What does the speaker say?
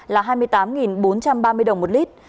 là hai mươi tám bốn trăm ba mươi đồng một lít